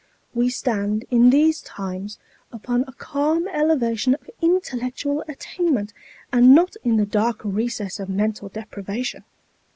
We stand, in these times, upon a calm elevation of intellectual attainment, and not in the dark recess of mental deprivation.